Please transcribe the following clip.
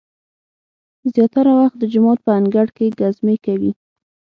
زیاتره وخت د جومات په انګړ کې ګزمې کوي.